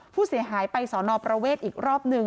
ผู้เสียหายไปสอนอประเวทอีกรอบหนึ่ง